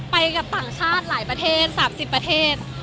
ไปกับต่างชาติหลายประเทศ๓๐ประเทศ